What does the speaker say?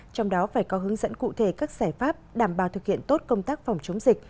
trong đó phải có hướng dẫn cụ thể các giải pháp đảm bảo thực hiện tốt công tác phòng chống dịch